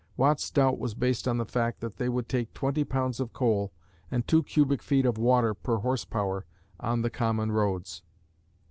Watt's doubt was based on the fact that they would take twenty pounds of coal and two cubic feet of water per horse power on the common roads.